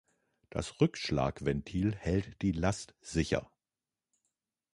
Das Rückschlagventil hält die Last sicher.